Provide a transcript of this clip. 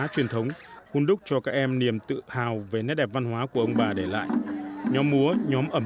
truyền thống hôn đúc cho các em niềm tự hào về nét đẹp văn hóa của ông bà để lại nhóm múa nhóm ẩm